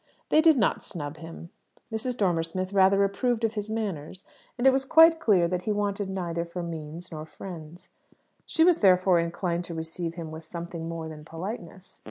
They did not snub him. Mrs. Dormer Smith rather approved of his manners; and it was quite clear that he wanted neither for means nor friends. She was therefore inclined to receive him with something more than politeness.